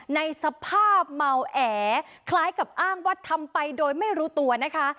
ในสภาพเมาแอคล้ายกับอ้างว่าทำไปโดยไม่รู้ตัวนะคะ